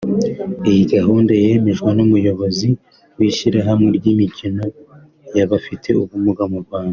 Iyi gahunda yemejwe n’Umuyobozi w’ishyirahamwe ry’imikino y’abafite ubumuga mu Rwanda